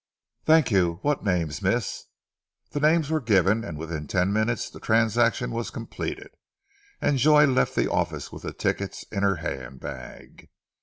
"Thank you! What names, Miss?" The names were given, and within ten minutes the transaction was completed, and Joy left the office with the tickets in her handbag.